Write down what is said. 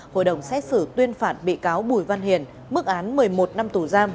hội đồng xét xử tuyên phạt bị cáo bùi văn hiền mức án một mươi một năm tù giam